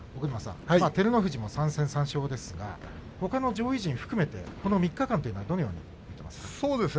照ノ富士も３戦３勝ですがほかの上位陣含めてこの３日間はどのようにご覧になっていますか。